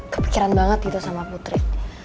kepikiran banget gitu sama putri